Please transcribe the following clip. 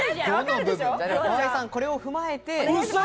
河井さん、これを踏まえて。